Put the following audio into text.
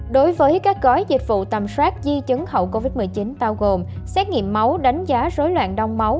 đối với các gói dịch vụ tầm soát di chứng hậu covid một mươi chín bao gồm xét nghiệm máu đánh giá rối loạn đông máu